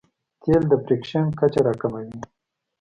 تېل د فریکشن کچه راکموي.